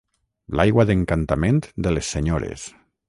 L'aigua d'encantament de les senyores